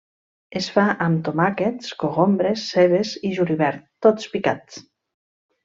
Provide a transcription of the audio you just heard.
Es fa amb tomàquets, cogombres, cebes i julivert tots picats.